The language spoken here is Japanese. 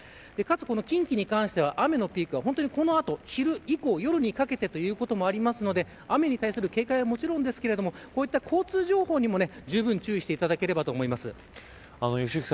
近畿に関しては雨のピークがこの後昼以降、夜にかけてということもありますので雨に対する警戒はもちろんですがこういった交通情報にもじゅうぶん注意していただければと思います。